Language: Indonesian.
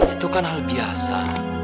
itu kan hal biasa